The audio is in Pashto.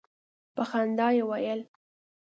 په خندا یې ویل.